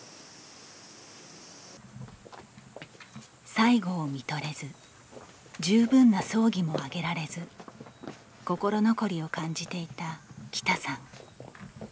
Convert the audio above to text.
最期をみとれず十分な葬儀も挙げられず心残りを感じていた喜多さん。